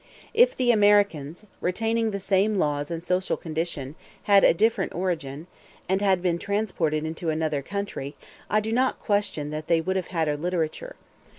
If the Americans, retaining the same laws and social condition, had had a different origin, and had been transported into another country, I do not question that they would have had a literature.